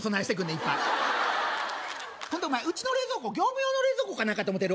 いっぱいほんでお前うちの冷蔵庫業務用の冷蔵庫やと思ってる？